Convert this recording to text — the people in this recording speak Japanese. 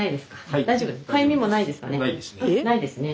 ないですね。